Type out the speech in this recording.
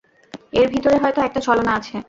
এর ভিতরে হয়তো একটা ছলনা আছে।